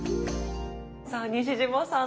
さあ西島さん